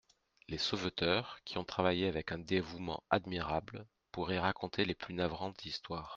Les sauveteurs, qui ont travaillé avec un dévouement admirable, pourraient raconter les plus navrantes histoires.